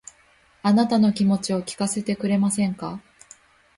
あなたの気持ちを聞かせてくれませんか